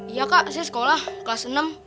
iya kak saya sekolah kelas enam